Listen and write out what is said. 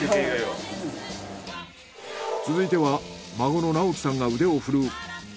続いては孫の直樹さんが腕を振るう。